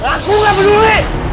aku gak peduli